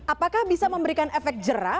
apakah bisa memberikan efek jerah